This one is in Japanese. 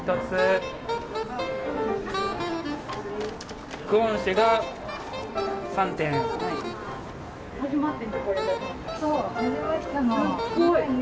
すごい。